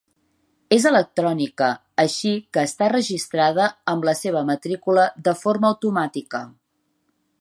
És electrònica, així que està registrada amb la seva matrícula de forma automàtica.